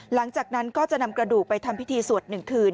หลังจากนั้นก็จะนำกระดูกไปทำพิธีสวด๑คืน